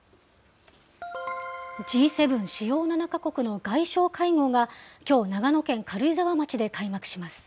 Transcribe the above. Ｇ７・主要７か国の外相会合が、きょう長野県軽井沢町で開幕します。